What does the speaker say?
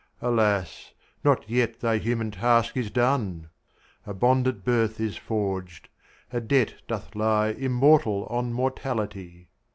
Alas, not yet thy human task is done! A bond at birth is forged; a debt doth lie Immortal on mortality.